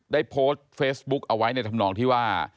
ได้โพสต์เฟซบุ๊กเอาไว้ในธรรมนองที่ว่า